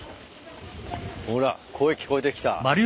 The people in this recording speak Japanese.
ほら声聞こえてきた。